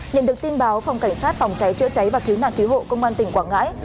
nhận được tin báo phòng cảnh sát phòng cháy chữa cháy và cứu nạn cứu hộ công an tỉnh quảng ngãi